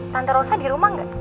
tante rosa di rumah nggak